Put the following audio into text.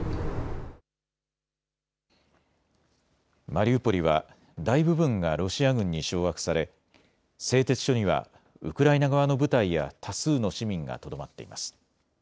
マリウポリは大部分がロシア軍に掌握され製鉄所にはウクライナ側の部隊や多数の市民がとどまっています。